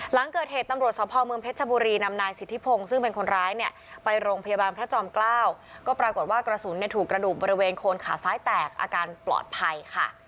หลังเกิดเหตุตำรวจสภเมืองเพชรชบุรีนำนายสิทธิพงศ์ซึ่งเป็นคนร้ายเนี่ยไปโรงพยาบาลพระจอมเกล้าก็ปรากฏว่ากระสุนเนี่ยถูกกระดูกบริเวณโคนขาซ้ายแตกอาการปลอดภัยค่ะ